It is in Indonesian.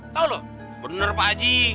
tau lu bener pakji